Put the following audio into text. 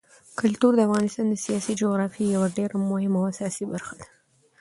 کلتور د افغانستان د سیاسي جغرافیې یوه ډېره مهمه او اساسي برخه ده.